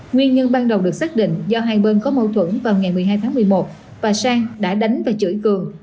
nguyên nhân ban đầu được xác định do hai bên có mâu thuẫn vào ngày một mươi hai tháng một mươi một bà sang đã đánh và chửi cường